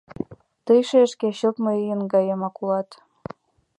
Тый, шешке, чылт мыйын гаемак улат.